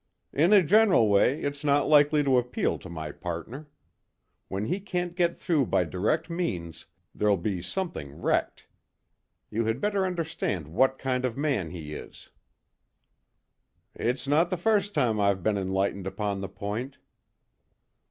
"In a general way it's not likely to appeal to my partner. When he can't get through by direct means, there'll be something wrecked. You had better understand what kind of man he is." "It's no the first time I've been enlightened upon the point."